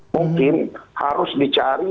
mungkin harus dicari